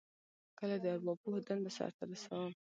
کله د ارواپوه دنده سرته رسوم.